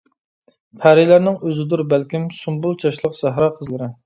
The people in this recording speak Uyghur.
پەرىلەرنىڭ ئۆزىدۇر بەلكىم، سۇمبۇل چاچلىق سەھرا قىزلىرى.